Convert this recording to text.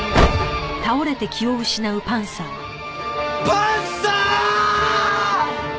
パンサー！